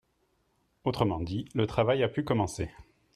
Autrement dit, le travail a pu commencer.